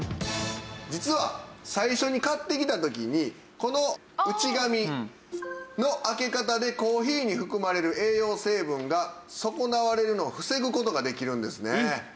実は最初に買ってきた時にこの内紙の開け方でコーヒーに含まれる栄養成分が損なわれるのを防ぐ事ができるんですね。